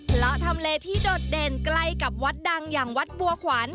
เพราะทำเลที่โดดเด่นใกล้กับวัดดังอย่างวัดบัวขวัญ